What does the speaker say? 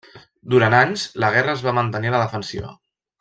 Durant anys, la guerra es va mantenir a la defensiva.